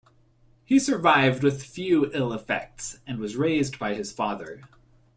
He survived with few ill effects, and was raised by his father.